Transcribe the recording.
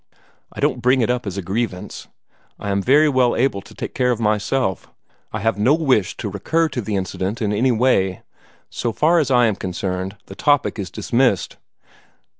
I don't bring it up as a grievance. I am very well able to take care of myself I have no wish to recur to the incident in any way. So far as I am concerned, the topic is dismissed."